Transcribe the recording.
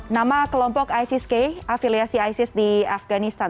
nama kelompok isis k afiliasi isis di afganistan